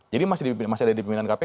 jadi masih ada di pimpinan kpk